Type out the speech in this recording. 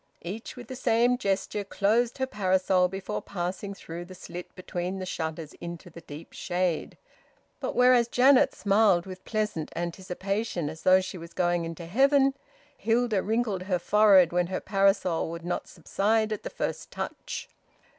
Each with the same gesture closed her parasol before passing through the slit between the shutters into the deep shade. But whereas Janet smiled with pleasant anticipation as though she was going into heaven, Hilda wrinkled her forehead when her parasol would not subside at the first touch.